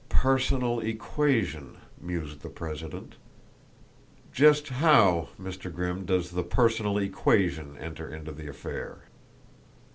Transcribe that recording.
"Personal equation," mused the president. "Just how, Mr. Grimm, does the personal equation enter into the affair?"